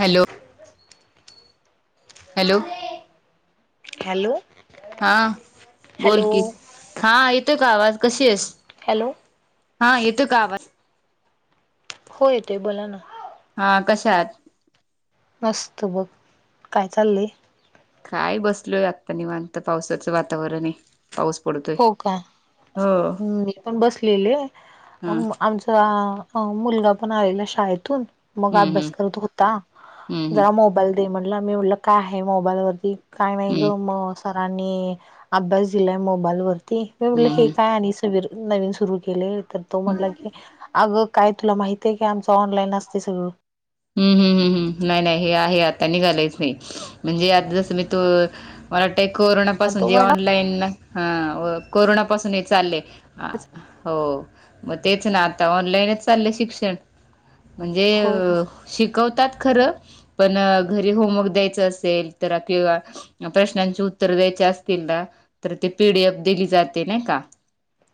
Hello hello hello हां hello बोलकी हां येतोय का? आवाज कशी आहेस? हॅलो हां येतो का आवाज? हो येतोय बोला ना. हां कशात? मस्त बघ, काय चाललंय? काय बसलो आत्ता निवांत मागत पावसाचं वातावरण आहे. पाऊस पडतो हो का? मी पण बसलेले हा अम आमचा मुलगा पण आलेला शाळेतून मग हम्म हम्म अभ्यास करत होता. हम्म जरा मोबाईल दे म्हटलं मी म्हलं काय आहे मोबाईल वरती काय नाही हम्म हम्म ग सरांनी अभ्यास दिलाय मोबाईल वरती हम्म हे काय? नवीन सुरू केलय, तर तो म्हणला की अग काय तुला माहिती हाय काय? आमचं ऑनलाईन असतय सगळं. हम्म हम् हम् हम्, नाही नाही, हे आहे आता, निघालायचं नाही, म्हणजे आता जसं मी तू मला वाटतंय कोरोना पाासून तो जे म्हणला ऑनलाईन, हा कोरोनापासून हे चाललंय. अ हो, मग तेच ना आता ऑनलाईनच चाललंय शिक्षण म्हणजे, होय शिकवतात खरं पण, घरी होमवर्क द्यायचं असेल, तर किंवा प्रश्नांचे उत्तर द्यायचे असतील ना, तर ते पीडीएफ दिली जाते नाही का?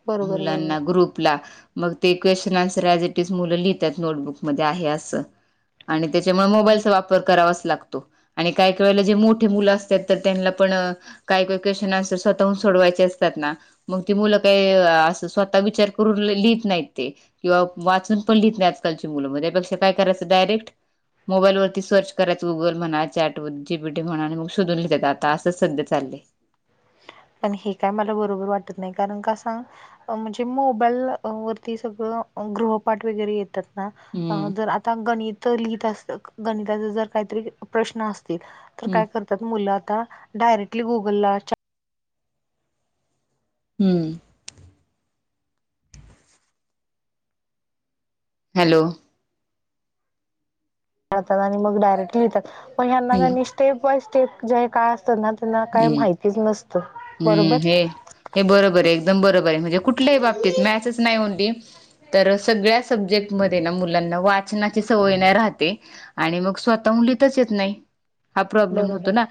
बरोबर बरोबर मुलांना ग्रुपला मग ते क्वेशन आन्सर याज ईट इज मुलं लिहतात, नोटबुकमध्ये आहे असं. आणि त्याच्यामुळे हम्म मोबाईलचा वापर करावाच लागतो. आणि काही काही वळेला जे मोठे मुलं असतात, तर तेना पण काही काही क्वेशन अन्सार, स्वतःहून सोडवायचे असतात ना मग ती मुलं काय, अस स्वतः विचार करून लिहित नाहीत ती. किंवा वाचून पण लिहित नाही, आत्ताची मुलं, त्यापेक्षा काय करायचं, डायरेक्ट मोबाईलवरती सर्च करायचं, गुगल म्हणा, चॅट व जीपीटी म्हणा, आणि मग शोधून लिहायच, आता असंच सध्या चाललंय. पण हे काय मला बरोबर वाटत नाही, कारण का सांग? म्हणजे मोबाईल वरती, सगळं गृहपाठ वगैरे येतात. हम्म जर आता गणित लिहित असत, गणिताच जर काहीतरी प्रश्न असत तर हम्म काय करतात मुलं आता, डायरेक्टली गुगलला चा हम्म! हॅलो? आणि मग डायरेक्ट लिहतात, मग हम्म ह्यानां स्टेप बाय स्टेप जर का तेंना तेंना काय हम्म. माहितीच नसतं, बरोबर. हम्म हे हे बरोबर आहे, एकदम बरोबर आहे, म्हणजे कुठल्याही बाबतीत मॅसच नाही म्हणली तर, सगळ्या सब्जेक्ट मध्ये ना, मुलांना वाचनाची सवय नाही राहते आणि मग स्वतः हून लीहताच येत नाही, हा प्रॉब्लेम होतो बरोबर ना,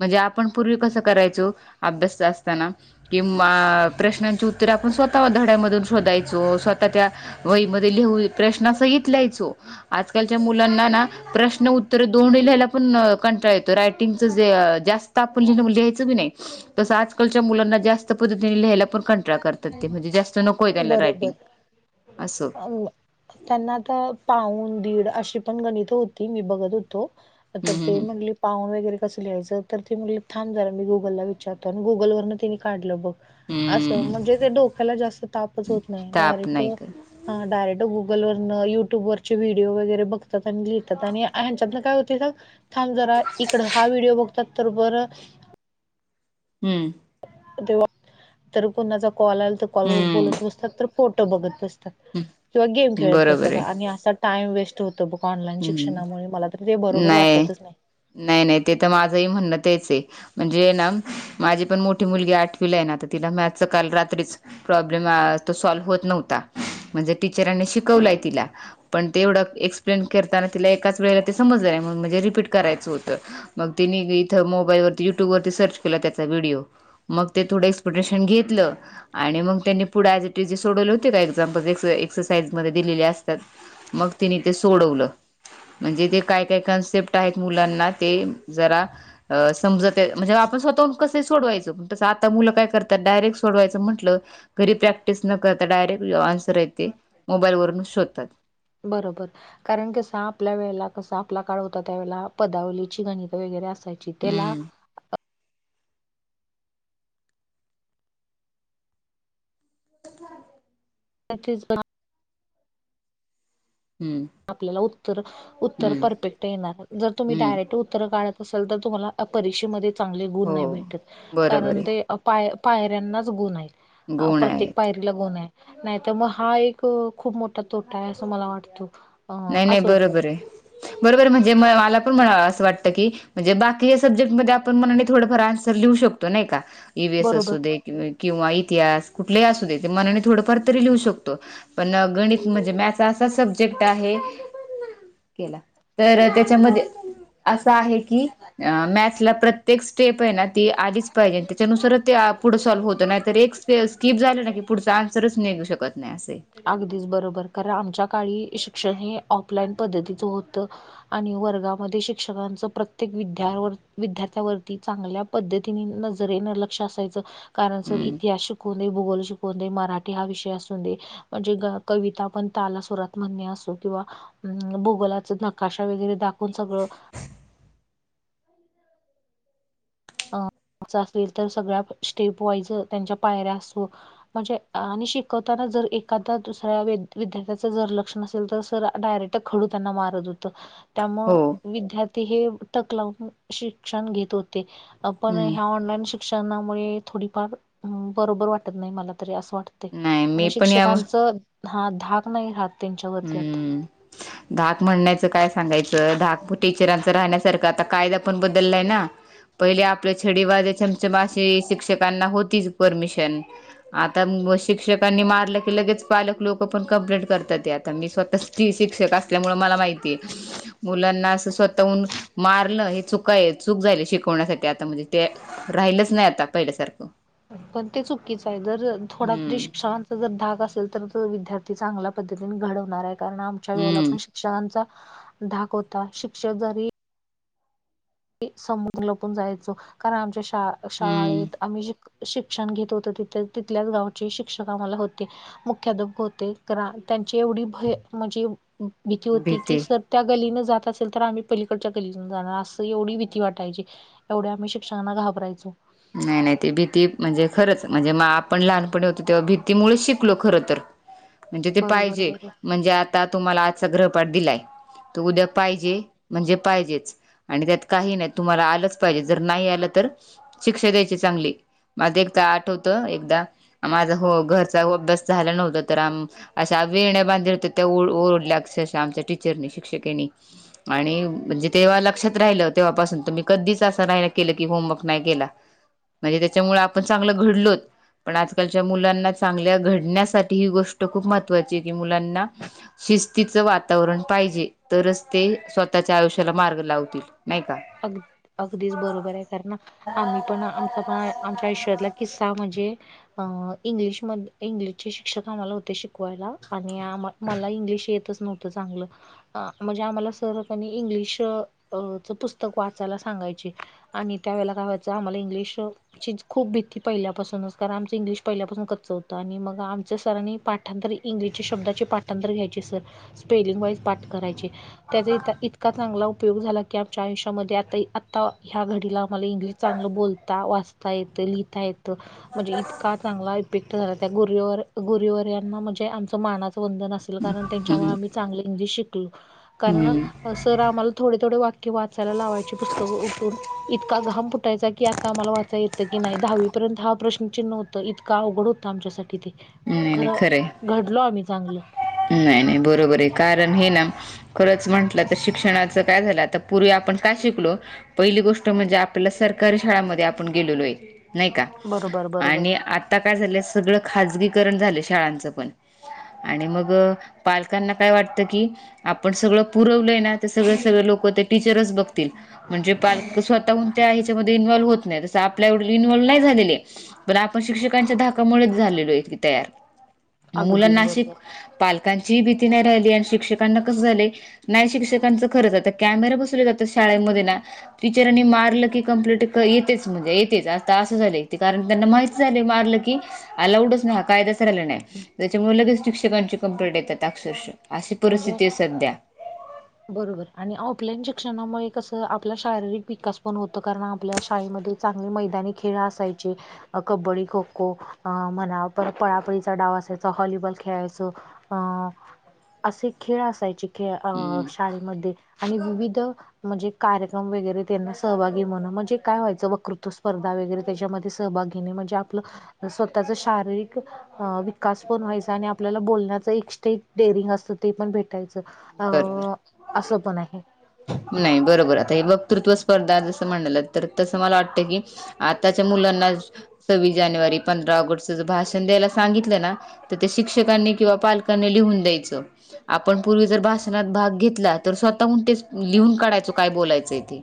म्हणजे आप पण पूर्वी कसं करायचो, अभ्यास असताना, किंवा प्रश्नांची उत्तरे, आपण स्वतः धड्यामधून शोधायचो, स्वतः त्या वहीमध्ये लिहू, प्रश्नासंहित लाहायचो, आजकालच्या मुलांना ना प्रश्न उत्तर दोन्ही लिहायला पण कंटाळ येतो, रायटिंगच जे जास्त [unintelligible] लिहायचो की नाही, तसं आजकालच्या मुलांना जास्त जात पद्धतीने लिहायला पण कंटाळ करतात ते, म्हणजे जास्त नकोय त्यांना रायटिंग, बरोबर असं. अं, त्यांना त पाऊन दीड अशी पण गणित होती, मी बघत हुतो अ तर ते हम्म म्हणले पाहून वगैरे कसं लिहायचं, तर ते म्हणलीतं थांब झरा मी गुगलला विचारतो, आणि गुगल वरन तिने काढलं बग. असं हम्म म्हणजे ते डोक्याला जास्त तापच होत नाही, ताप डायरेक्ट नाही का डायरेक्ट गुगल वरन, युट्यूब वरचे व्हिडिओ वगैरे बघतात, आणि लिहितात, आणि ह्यांच्यातन काय होते सांग थांब जरा इकड हा व्हिडिओ बघतात, तर बरं हम्म! तेव्हा, तर कोणाचा कॉल आल तर, कॉलवर हम्म बोलत बसतात, तर फोटो बघत बसतात. किंवा गेम खेळत बरोबर बसतात, आहे आणि अस टाइम वेस्ट होतो बघ, ऑनलाईन हम्म शिक्षणामुळे, मला तरी ते बरोबर वाटतच नाही. नाही नाही, ते तर माझंही म्हण तेच आहे. म्हणजे ना, माझी पण मोठी मुलगी आठवीला आहे ना, आता तिला मॅथच काल रात्रीच प्रॉब्लेम तो सॉल्व्ह होत नव्हता, म्हणजे टीचरांनी शिकवलय तिला. पण ते एवढं एक्सप्लेन करताना, तिला एकाच वेळेला ते समजला नाही, म्हणून म्हणजे रिपीट करायचं होतं मग तिने इथं मोबाईल वरती, युट्यूब वरती, सर्च केला त्याचा व्हिडिओ. मग ते थोडं एक्सपेक्टेशन घेतलं आणि मग त्यांनी पुढे, याज ईट इज जी सोडवले होते का एक्झाम्पल, एक्सरसाइज मध्ये दिलेले असतात. मग तिने ते सोडवलं म्हणजे ते काय काय कन्सेप्ट आहेत मुलांना ते जरा अ समजत त्या म्हणजे आपण स्वतःहून कस सोडवायचं तसं आता मुलं काय करतात डायरेक्ट सोडवायचं म्हटलं घरी प्रॅक्टिस न करता डायरेक्ट आन्सर आहे ते मोबाईल वरून शोधतात बरोबर कारण कसं आपल्या वेळेला कसं आपला काळ होता त्यावेेला पदावलीची गणित वगैरे असायची त्याला हम्म त्याच हम्म आपल्याला उत्तर उत्तर हम्म परफेक्ट येणार जर तुम्ही हम्म डायरेक्ट उत्तर काढत असाल तर तुम्हाला परीक्षेमध्ये चांगले गुण हो नाही भेटत बरोबर आहे य पायऱ्यांनाच गुण आहे गुण आहेत प्रत्येक पाय गुण आहे नाही तर मग हा एक खूप मोठा तोटा आहे असं मला वाटत नाही नाही बरोबर आहे बरोबर आहे म्हणजे म मला पण असं वाटतं की म्हणजे बाकी या सब्जेक्ट मध्ये आपण म्हना थोडंफार आन्सर लिऊ शकतो नाही का ईवएस बरोबर असू दे किंवा इतिहास कुठलेही असू दे ते मनाने थोडंफार तरी लिहू शकतो पण गणित म्हणजे मॅथ असा सब्जेक्ट केला तर त्याच्यामध्ये असं आहे की अ मॅथला प्रत्य प्रत्येक स्टेप आहे ना ती आलीच पाहिजे आणि त्याच्यानुसारच ते पुढं सॉल्व्ह होत नाही तर एक ते स्किप झाले ना की पुढचा आन्सरच निघू शकत नाही असे अगदीच बरोबर कारण आमच्या काळी शिक्षण हे ऑफलाईन पद्धतीच होतं आणि वर्गामध्ये शिक्षकांच प्रत्येक विद्या विद्यार्थ्यावरती चांगल्या पद्धतीने नजरेनं लक्ष असायचं कारण सर हम्म इतिहास शिकव दे भूगोल शिकवून देई मराठी हा विषय असू दे म्हणजे कविता पण ताला सुरात म्हणणे असो किंवा अम भूगोलाच नकाशा वगैरे दाखवून सगळं अ मा असेल तर सगळ्या स्टेप वाईज त्यांच्या पायऱ्या असो म्हणजे आणि शिकवताना जर एखादा दुसऱ्या विद्यार्थ्याचं जर लक्षण नसेल तर सर डायरेक्ट खडू त्यांना मारत होत त्यामु हो विद्यार्थी हे टकलावून शिक्षण घेत होते पण हम्म ह्या ऑनलाईन शिक्षणामुळे थोडीफार बरोबर वाटत नाही मला तरी असं वाटत नाही कारण मी पण या शिक्षकांच हा धाक नाही राहत त्यांच्यावरती आता हम्म. धाक म्हणण्याचं काय सांगायचं धाक टीचरांचं राहण्यासारखं आता कायदा आपण बदललाय ना पहिले आपल्या छडीवाजे छमछमाआशी शिक्षकांना होतीच परमिशन आता शिक्षकांनी मारलं की लगेच पालक लोक पण कंप्लेंट करतात या मी स्वतः ती शिक्षक असल्यामुळे मला माहितीय मुलांना असं स्वतःहून मारन हे चुका आहे चूक झाली शिकवण्यासाठी आता म्हणजे ते राहिलच नाही आता पहिले सारखं पण ते चुकीचं आहे जर थोडा तरी् हम्म शांत जर धाक असेल तर विद्यार्थी चांगल्या पद्धतीने घडवणार आहे कारण आमच्या वेळेला पण हम्म श शिक्षकांचा धाक होता शिक्षक जरी ते समजून लपून जायचो कारण आमच्या शा हम्म शाळेत आम्ही जे शिक्षण घेत होत तथ तिथल्याच गावचे शिक्षक आम्हाला होते मुख्याधप होते करा त्यांची एवढी भय म्हणजे भीती होती की सर त्या गलीन जात असेल तर आम्ही पलीकडच्या गलीन जाणार अस एवढी भीती वााटाची एवढ्या आम्ही शिक्कांना घाबरायचो नाही नाही ते भीती म्हणजे खरंच म्हणजे म आपण लहानपणी होतो तेव्हा भीतीमुळेच शिकलो खर तर [inaudible] म्हणजे ते बरोबर पाहिजे बरोबर म्हणजे आता तुम्हाला आजचा गृहपाठ दिलाय त उद्या पाहिजे म्हणजे पाहिजेच. आणि त्यात काही नाही तुम्हाला आलंच पाहिजे जर नाही आलं तर शिक्षा द्यायचे चांगले. माझ एकदा आठवत एकदा माझा हो घरचा अभ्यास झाला नव्हता तर आमहा असा वेण्या बांधलेल्या होत्या त्या ओरडल्या अक्षरशः आमच्या टीचरनी शिक्षकेनी आणि म्हणजे तेव्हा लक्षात राहिलं तेव्हापासून तर मीही कधीच असं नाहीहे केलं की होमवर्क नाही केला. म्हणजे त्याच्यामुळे आपण चांगलं घडलोत. पण आजकालच्या मुलांना चांगल्या घडण्यासाठी ही गोष्ट खूप महत्त्वाची आहे की मुलांना शिस्तीचं वातावरण पाहिजे तरच ते स्वतःच्या आयुष्याला मार्ग लावतील. नाही का. अग अगदीच बरोबर आहे कर ना. आम्ही पण आमचा पण आमच्या आयुष्यातला किस्सा म्हणजे इंग्लिशमध इंग्लिशचे शिक्षक आम्हाला होते शिकवायला आणि आम मला इंग्लिश येतच नव्हतं चांगलं म्हणजे आम्हाला सर पनी इंग्लिश अ च पुस्तक पुस्तक वाचायला सांगायची आणि त्यावेेळेला काय व्हायचं आम्हाला इंग्लिश ची खूप भीती पहिल्यापासूनच कारण आमचं इंग्लिश पहिल्यापासून कच्च होतं आणि मग आमच्या सरांनी पाठ त्यानंतर इंग्लिशच्या शब्दाचे पाठांतर घ्यायचे सर स्पेलिंग वाईज पाठ करायचे. त्याचा इ इतका चांगला उपयोग झाला की आमच्या आयुष्यामध्ये आता इ आत आता ह्या घडीला आम्हाला इंग्लिश चांगलं बोलता वाचता येतं लिहिता येतं. म्हणजे इतका चांगला इफेक्ट झाला त्या गुर गुरुवर यांना म्हणजे आमच मानाचं वंदन असत. कारण त्यांच्या मुळे हम्म आम्ही चांगलं म्हणजे शिकलो कारण हम्म सर आम्हाला थोडे थोडे वाक्य वा त्याला लावायची पुस्तकं उठून इतका घाम फुायचा की आता आम्हाला वाचाय येतं की नाही दहावीपर्यंत हा प्रश्न चिन्ह होत. तर इतका अवघड होतता आमच्यासाठी ते नाही नाही खरं खरंय घडलो आम्ही चांगलं. नाही नाही बरोबर आहे कारण हे ना खरंच म्हटलं तर शिक्षणाचं काय झालं आता पूर्वी आपण काय शिकलो पहिली गोष्ट म्हणजे आपल्याला सरकारी शाळामध्ये आपण गेलेलो आहे. नाही का बरोबर बरोबर आणि आता काय झालंय सगळं खाजगीकरण झालं शाळांचं पण आणि मग पालकांना काय वाटतं की, आपण सगळं पुरवलंय ना तर सगळं सगळ लोक ते टीचरच बघतील. म्हणजे पालक स्वतःहून त्या ह्याच्यामध्ये इन्वॉल्व्ह होत नाही तसं आपल्या इन्व्हल्व नाही झालेले. पण आपण शिक्षकांच्या धाकामुळेच झालेलो आहोकी तयार मग अगदीच मुलांना आशि बरोबर पालकांचीही भीती नाही राहिली आणि शिक्षकांना कस झालय. नाही शिक्षकांचं खरंच कॅमेरा बसवले जातात शाळेमध्ये ना. टीचरांनी मारलं की कं् [unintelligible] प्लेट येतेच म्हणजे येतेच आता असं झालं कारण त्यांना माहि मार की अलाऊडच नाही. कायदाच राहिला नाही त्याच्यामुळे लगेच शिक्षकांची कंप्लेंईंट येतात अक्षश अशी म्हणजे परिस्थिती आहे सध्या. बरोबर आणि ऑफलाईन शिक्षणामुळे कसं आपला शारीरिक विकास पण होतं कारण आपल्या शाळेमध्ये चांगली मैदानी खेळ असायचे. अ कबड्डी खो खो अ म्हणा परत पळापळीचा डाव असायचा हॉलीबॉल खेळायच. अं असे खेळ असायचे खे अ हम्म शाळेमध्ये आणि विविध म्हणजे कार्यक्रम वगैरे त्यांना सहभागी म्हण म्हणजे काय व्हायचं वक्ृत्व स्पर्धा वगैरे त्याच्यामध्ये सहभाग घेणे म्हणजे आपलं स्वतःचा शारीरिक अ विकास पण व्हायचा आणि आपल्याला बोलण्याचा एक स्टेप डेअरिंग असत ते पण भेटायचं बरोबर अ असं पण आहे. नाही बरोबर आता हे वक्तृत्व स्पर्धा जसं म्हलं तर तसं मला वाटतं की आताच्या मुलांना सव्वीस जानेवारी पंधरा ऑगस्ट भाषण द्यायला सांगितलं ना, तर ते शिक्षकांनी किंवा पालकांनी लिहून द्यायचं. आपण पूर्वी जर भाषणात भाग घेतला तर स्वतःणतेच लिहून काढायचो काय बोलायचंय ते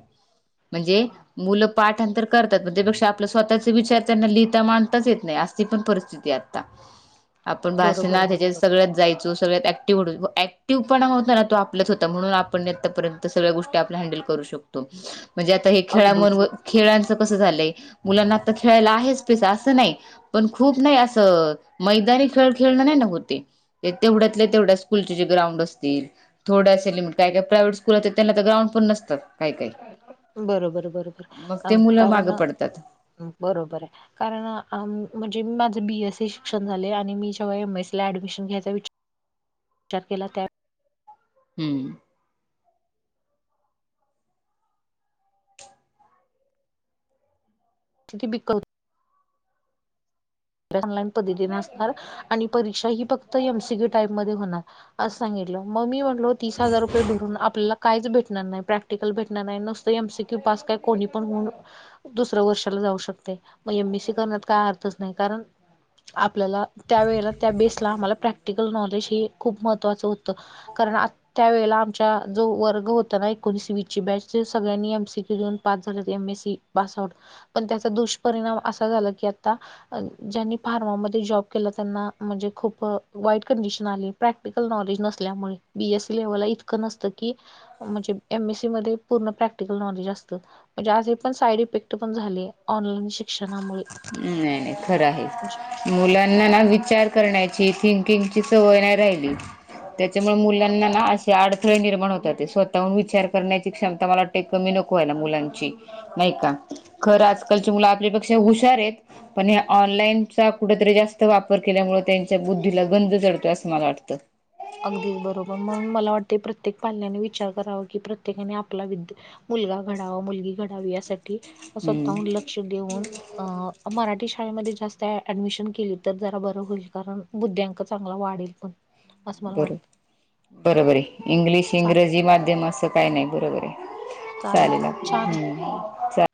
म्हणजे मुलं पाठांतर करतात पण त्यापेक्षा आपला स्वतःचे विचार त्यांना लिहिता मांडताच येत नाही अस. ती पण परिस्थिती आता. [inaudible] आपण बरोबर भाषणा त्याच्यात बरोबर सगळंच जायचं. जो सगळ्यात ऍक्टिव्ह ऍक्टिव पणा होता ना तो आपल्याच होता म्हणून आपण आत्तापर्यंत. सगळ्या गोष्टी आपल हँडल करू शकतो म्हणजे आता हे अगदीच खेळांबरोबर. खेळांचं कसं झालंय मुलांना आता खेळायला आहेच स्पेस असं नाही. पण खूप नाही असं मैदानी खेळ खेळणं नाही ना होते. ते तेवढ्यातल्या तेवढ्या स्कूलचे जे ग्राउंड असतील थोड्याच लिमिट काय काय प्रायवेट स्कू पुन्हा त्यांना तर ग्राउंड पण नसतात काही काही. बरोबर बरोबर अ मुलं कारण मागं अ पडतात [inaudible] बरोबर आहे. कारण अ अ म्हणजे मी माझं बीएससी शिक्षण झाले आणि मी जेव्हा एम एसी ला ऍडमिशन घ्यायचा विचार [inaudible] विचार केला त्या. हम्म [unintelligible] ऑनलाईन पद्धतीन असणार. आणि परीक्षा ही फक्त एमसीक्यू टाईप मध्ये होणार अस सांगितलं मग मी म नो तीस हजार रुपये भरून आपल्याला कायच भेटणार नाही प्रॅ प्रॅक्टिकल भेटणार नाही नूसत एमसीक्यू पास काय कोणी पण हून. दुसऱ्या वर्षाला जाऊ शकते मग एमएससी करण्यात काय अर्थच नाही कारण. आपल्याला त्यावेेळेला त्या बेसला आम्हाला प्रॅक्टिकल नॉलेज हे खूप महत्त्वाचं होतं. कारण आ त्या वेळेला आमच्या जो वर्ग होता ना एकोणीस वीस ची बॅच सगळ्यांनी एमसी. रिझल्ट पास झाला एमएससी पासॉट पण त्याचा दुष्परिणाम असा झाला की आता. ज्यांनी फार्मा मध्ये जॉब केला त्यांना म्हणजे खूप अ वाईट कंडिशन आली. प्रॅक्टिकल नॉलेज नसल्यामुळे बीएससी लेव्हलला इतकं नसतं की. म्हणजे एमएसी मध्ये पूर्ण प्रॅक्टिकल नॉलेज. जास्त म्हणजे अजून पण साईड इफेक्ट पण झाले ऑनलाईन शिक्षणामुळे. हम्म नाही खरं आहे. [inaudible] मुलांना ना विचार करण्याची थिंकिंगची सवय नाही राहिली. त्याच्यामुळे मुलांना ना असे अडथळे निर्माण होतात ते स्वतःहून विचार करण्याची क्षमता मला वाट कमी नको. होय ना मुलांची नाही का खर आजकालची मुलं आपल्यापेक्षा हुशार आहेत. पण ह्या ऑनलाईनचा कुठेतरी जास्त वापर केल्यामुळे त्यांच्या बुद्धीला गंध चढतोय असं मला वाटतं. अगदीच बरोबर म्हणून मला वाटते प्रत्येक पाल्याने विचार करावा की प्रत्येकाने आपला विद्या मुलगा घडावा मुलगी घडावी यासाठी हम्म स्वतःहून लक्ष देऊन. अ मराठी शाळेमध्ये जास्त ऍडमिशन केली तर जरा बरं होईल कारण बुद्ध्यांक चांगला वाढेल पण. असं मला बरो वाटतं बरोबर आहे इंग्लिश चालेल इंग्रजी माध्यम असं काही नाही बरोबर आहे. चालेल सारी बाात छान आहे हम्म.